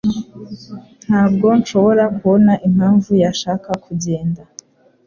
Ntabwo nshobora kubona impamvu yashaka kugenda.